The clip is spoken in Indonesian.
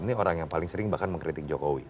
ini orang yang paling sering bahkan mengkritik jokowi